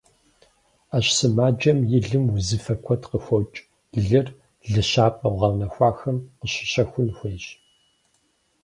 Ӏэщ сымаджэм и лым узыфэ куэд къыхокӏ, лыр лыщапӏэ гъэунэхуахэм къыщыщэхун хуейщ.